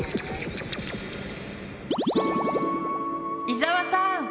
伊沢さん。